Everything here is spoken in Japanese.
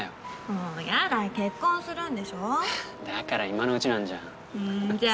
もうヤダ結婚するんでしょだから今のうちなんじゃんじゃあ